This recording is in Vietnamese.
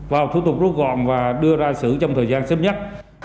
vào thủ tục rút gọn và đưa ra xử trong thời gian sớm nhất